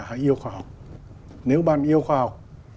hãy yêu khoa học nếu bạn yêu khoa học